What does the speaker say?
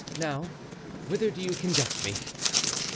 Now, whither do you conduct me?"